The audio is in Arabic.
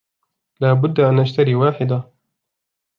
لابد أن اشتري واحدة.